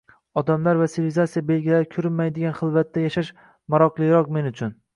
Odamlar va sivilizasiya belgilari ko`rinmaydigan xilvatda yashash maroqliroq men uchun